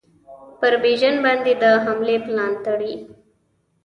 پر بیژن باندي د حملې پلان تړي.